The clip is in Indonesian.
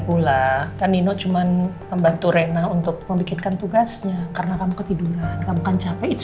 pula kan nino cuman membantu rena untuk memikirkan tugasnya karena kamu ketiduran kamu kan capek itu